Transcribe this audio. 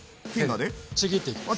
ちぎっていきます。